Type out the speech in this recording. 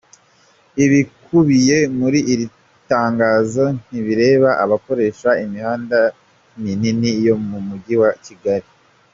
Ibikubiye muri iri tangazo, ntibireba abakoresha imihanda minini yo Mujyi wa Kigali.